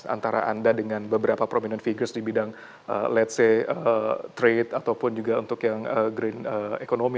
antara anda dengan beberapa prominent figures di bidang ⁇ lets ⁇ say trade ataupun juga untuk yang green economy